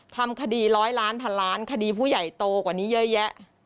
ทำคดีร้อยล้านพันล้านคดีผู้ใหญ่โตกว่านี้เยอะแยะ